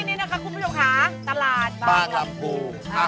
คุณผู้ชมขาตลาดปางลำผูก